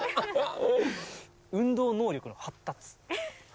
運動能力の発達。